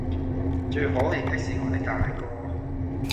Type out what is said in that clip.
最可憐的是我的大哥，